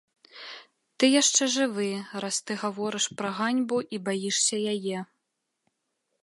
Ты яшчэ жывы, раз ты гаворыш пра ганьбу і баішся яе.